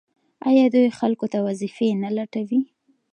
آیا دوی خلکو ته وظیفې نه لټوي؟